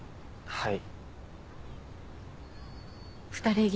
はい。